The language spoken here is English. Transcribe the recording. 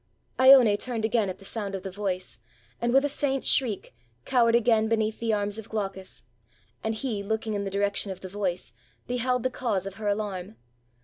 lone turned at the sound of the voice, and with a faint shriek, cowered again beneath the arms of Glaucus; and he, looking in the direction of the voice, beheld the cause of her alarm.